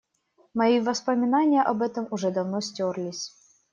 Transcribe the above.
Мои воспоминания об этом уже давно стёрлись.